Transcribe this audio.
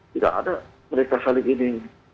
tidak ada mereka saling ini